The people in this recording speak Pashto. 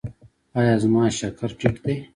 ایا زما شکر ټیټ دی؟